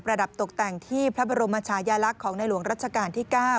ระดับตกแต่งที่พระบรมชายาลักษณ์ของในหลวงรัชกาลที่๙